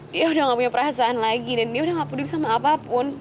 dia udah gak punya perasaan lagi dan dia udah gak peduli sama apapun